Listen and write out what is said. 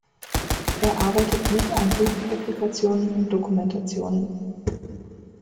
Er arbeitet mit an Buchpublikationen und Dokumentationen.